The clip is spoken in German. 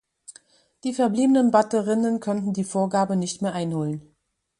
Die verbliebenen Batterinnen konnten die Vorgabe nicht mehr einholen.